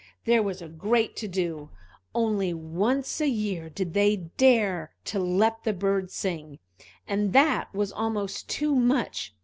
There was a great to do; only once in a year did they dare to let the bird sing, and that was almost too much.